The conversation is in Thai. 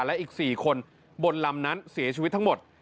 และอีก๔คนบนลำนั้นเสียชีวิตทั้งหมด